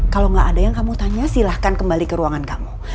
kalau nggak ada yang kamu tanya silahkan kembali ke ruangan kamu